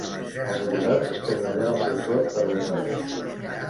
Els acusats esperen allà el seu torn per a declarar.